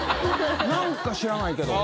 なんか知らないけど。